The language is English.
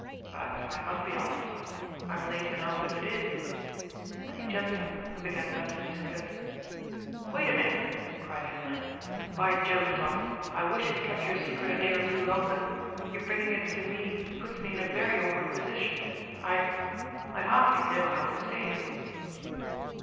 But I must be ofF. I'm late enough, as it is." And he jumped up, and began buttoning his coat. " Wait a minute," cried Hendrik. " By Jove, Tom, I wish you had kept your secret a day or two longer. Your bringing it to me puts me in a very awkward position. I — I hardly know how to say it."